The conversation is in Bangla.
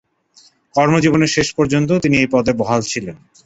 কর্মজীবনের শেষ পর্যন্ত তিনি এই পদে বহাল ছিলেন।